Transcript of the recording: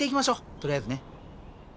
とりあえずね。